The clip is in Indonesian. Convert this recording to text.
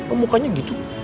oh mukanya gitu